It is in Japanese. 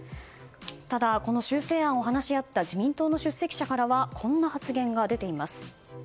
ただ、この修正案を話し合った自民党の出席者からはこんな発言が出ています。